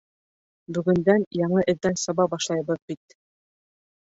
Бөгөндән яңы эҙҙән саба башлайбыҙ бит.